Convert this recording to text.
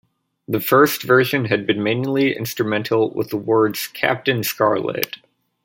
The first version had been mainly instrumental, with the words Captain Scarlet!